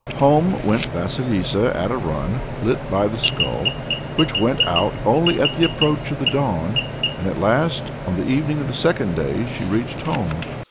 Home went Vasilissa at a run, lit by the skull, which went out only at the approach of the dawn; and at last, on the evening of the second day, she reached home.